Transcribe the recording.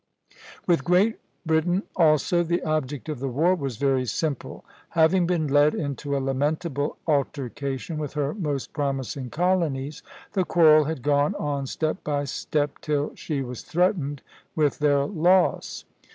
With Great Britain also the object of the war was very simple. Having been led into a lamentable altercation with her most promising colonies, the quarrel had gone on step by step till she was threatened with their loss.